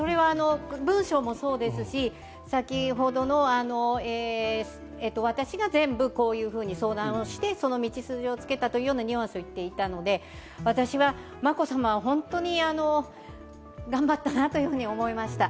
文書もそうですし、先ほどの私が全部、こういうふうに相談をしてその道筋をつけたというようなニュアンスを言っていたので、私は眞子さまは本当に頑張ったなと思いました。